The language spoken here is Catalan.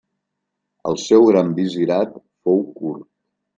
El seu gran visirat fou curt.